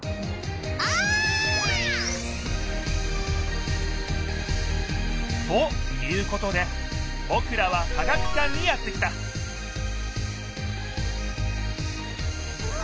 お！ということでぼくらは科学館にやって来たうわ！